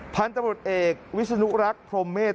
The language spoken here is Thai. พันธุ์ตำรวจเอกวิศนุรักษ์พรมเมษ